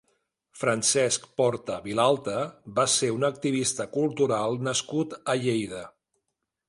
Francesc Porta Vilalta va ser un activista cultural nascut a Lleida.